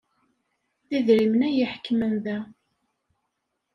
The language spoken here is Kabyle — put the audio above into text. D idrimen ay iḥekmen da.